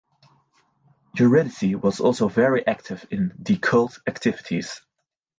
Eurydice was also very active in the cult activities.